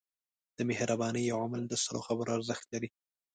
د مهربانۍ یو عمل د سلو خبرو ارزښت لري.